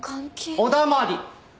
お黙り。